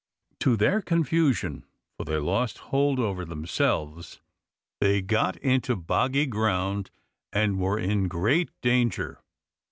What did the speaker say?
To their confusion, for they lost hold over themselves, they got into boggy ground and were in great danger.